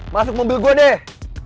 masuk mobil gue deh